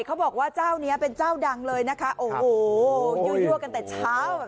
เขาบอกว่าเจ้านี้เป็นเจ้าดังเลยนะคะโอ้โหยั่วยั่วกันแต่เช้า